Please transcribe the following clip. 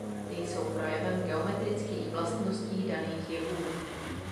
Ty jsou projevem geometrických vlastností daných jevů.